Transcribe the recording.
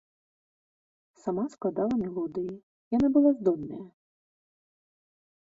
Сама складала мелодыі, яна была здольная.